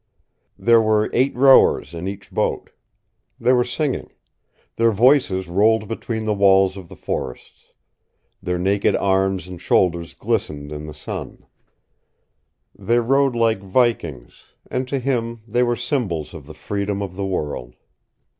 There were eight rowers in each boat. They were singing. Their voices rolled between the walls of the forests. Their naked arms and shoulders glistened in the sun. They rowed like Vikings, and to him they were symbols of the freedom of the world.